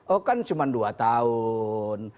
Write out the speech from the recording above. oh kan cuma dua tahun